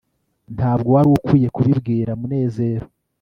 ntabwo wari ukwiye kubibwira munezero